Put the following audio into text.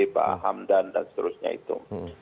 pak hamdan dan seterusnya itu